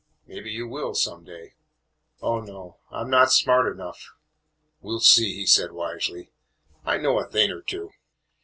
"Maybe you will some day." "Oh, no, I 'm not smart enough." "We 'll see," he said wisely; "I know a thing or two."